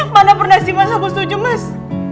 mana pernah sih mas aku setuju mas